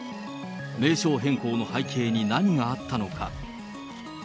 名称変更の背景に何があったのか。